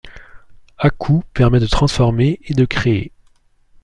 Akhou permet de transformer et de créer.